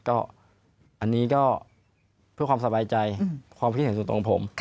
อันนี้ก็เพื่อความสบายใจความคิดเห็นส่วนตัวของผม